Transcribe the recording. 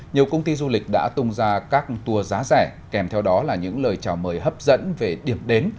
nhiều công ty du lịch đã tung ra các tour giá rẻ kèm theo đó là những lời chào mời hấp dẫn về điểm đến